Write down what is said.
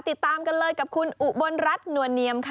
ติดตามกันเลยกับคุณอุบลรัฐนวลเนียมค่ะ